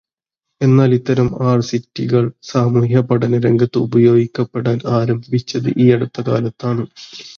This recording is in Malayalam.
എന്നാൽ, ഇത്തരം ആർസിറ്റികൾ സാമൂഹ്യപഠനരംഗത്ത് ഉപയോഗിക്കപ്പെടാൻ ആരംഭിച്ചത് ഈയടുത്ത കാലത്താണ്.